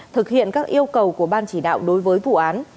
thực hiện các yêu cầu của ban chỉ đạo đối với vụ án